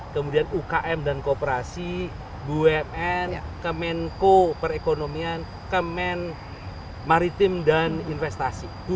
kemudian ukm dan kooperasi bumn kemenko perekonomian kemen maritim dan investasi